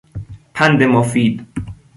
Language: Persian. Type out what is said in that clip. پند مفید